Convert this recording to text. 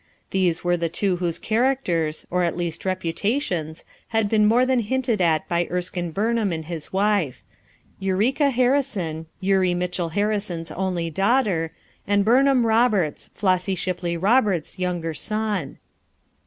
These were the two whose charac ters, or at least reputations, had been more than hinted at by Erskine Burnham and his wife: Eureka Harrison, Eurie Mitchell Harrison's only daughter, and Burnham Roberts, Flossy Shipley Roberts ? s younger son.